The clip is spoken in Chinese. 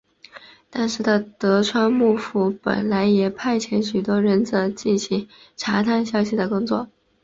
当时的德川幕府本身也派遣许多忍者进行查探消息的工作。